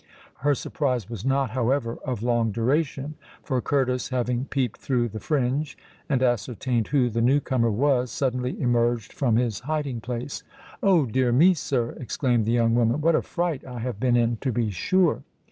Her surprise was not, however, of long duration; for Curtis, having peeped through the fringe and ascertained who the new comer was, suddenly emerged from his hiding place. "Oh! dear me, sir," exclaimed the young woman, "what a fright I have been in, to be sure!"